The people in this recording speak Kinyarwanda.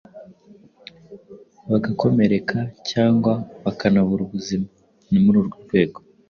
bagakomereka cyangwa bakanabura ubuzima. Ni muri urwo rwego